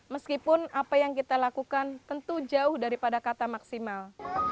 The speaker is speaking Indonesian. meskipun apa yang kita lakukan tentu jauh daripada kata maksimal